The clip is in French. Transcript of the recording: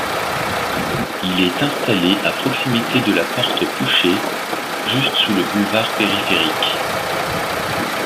Il est installé à proximité de la Porte Pouchet, juste sous le boulevard périphérique.